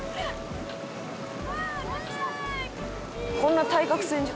「こんな対角線上」